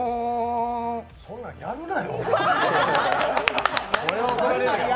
そんなんやるなよ。